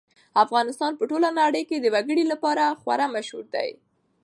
افغانستان په ټوله نړۍ کې د وګړي لپاره خورا مشهور دی.